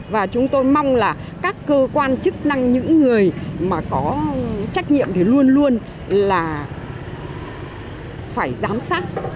và chúng tôi mong là các cơ quan chức năng những người mà có trách nhiệm thì luôn luôn là phải giám sát